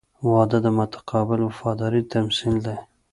• واده د متقابل وفادارۍ تمثیل دی.